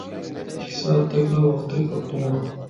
ئىككى سائەتتەكلا ۋاقتى قاپتىغۇ؟